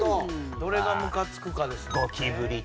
どれがムカつくかですもんね。